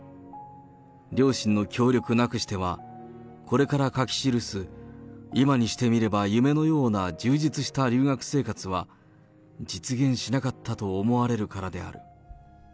両親の協力なくしては、これから書き記す、今にしてみれば夢のような充実した留学生活は実現しなかったと思われるからである。